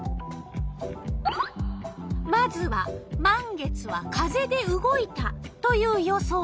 まずは「満月は風で動いた」という予想。